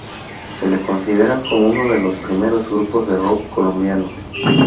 Se le consideran como uno de los primeros grupos de rock colombianos.